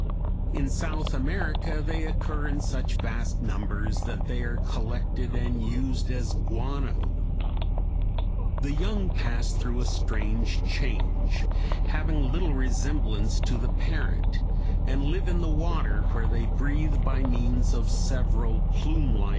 In South America they occur in such vast numbers that they are collected and used as guano. The young pass through a strange change, having little resemblance to the parent, and live in the water, where they breathe by means of several plumelike gills.